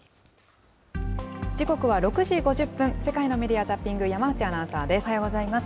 時刻は６時５０分、世界のメディア・ザッピング、山内アナウンサーです。